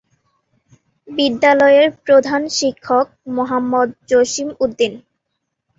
বিদ্যালয়ের প্রধান শিক্ষক মোহাম্মদ জসীম উদ্দীন।